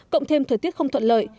cộng thêm thời tiết không thuận lợi